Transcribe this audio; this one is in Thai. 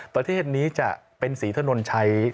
ประเทศนี้จะเป็นศรีถนนชัย